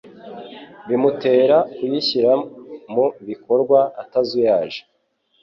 bimutera kuyishyira mu bikorwa atazuyaje